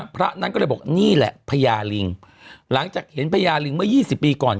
พระนั้นก็เลยบอกนี่แหละพญาลิงหลังจากเห็นพญาลิงเมื่อ๒๐ปีก่อน